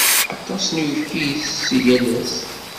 Aṭas n uyefki i isess yal ass.